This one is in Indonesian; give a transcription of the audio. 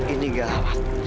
ini gak awal